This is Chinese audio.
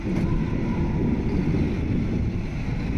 本县大部份土地均由印第安人保留地组成。